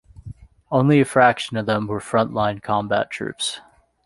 Only a fraction of them were frontline combat troops.